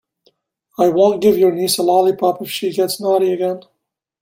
I won't give your niece a lollipop if she gets naughty again.